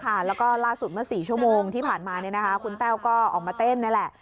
แล้วก็ล่าสุดเมื่อ๔ชั่วโมงที่ผ่านมาเนี่ยนะคะคุณแต้วก็ออกมาเต้นนั่นแหละ